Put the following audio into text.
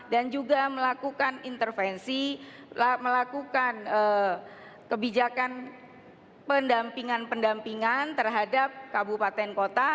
juga melakukan intervensi melakukan kebijakan pendampingan pendampingan terhadap kabupaten kota